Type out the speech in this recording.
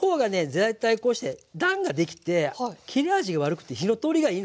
大体こうして段ができて切れ味が悪くて火の通りがいいのよ。